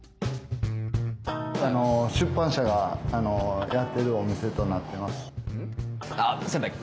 出版社がやってるお店となってますうん？